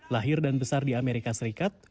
lahir dan besar di amerika serikat